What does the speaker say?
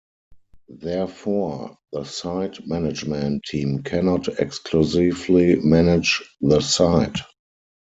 Therefore, the site management team cannot exclusively manage the site.